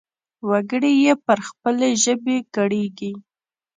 وګړي يې پر خپلې ژبې ګړيږي.